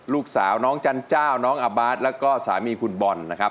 ลูกสาวน้องจันเจ้าน้องอาบาทแล้วก็สามีคุณบอลนะครับ